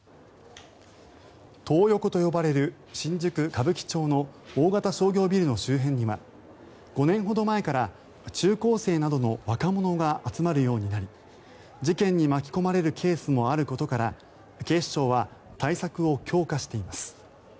トー横と呼ばれる新宿・歌舞伎町の大型商業ビルの周辺には５年ほど前から中高生などの若者が集まるようになり事件に巻き込まれるケースもあることから警視庁は対策を強化しています。